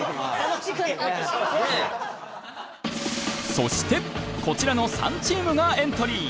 そしてこちらの３チームがエントリー！